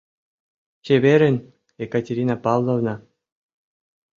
Чеверын, Екатерина Павловна!